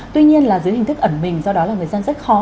tuy nhiên là dưới hình thức ẩn mình do đó là người dân rất khó